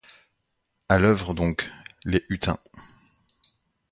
À l'oeuvre donc, les hutins!